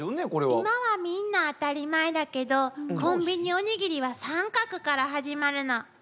今はみんな当たり前だけどコンビニおにぎりは三角から始まるの。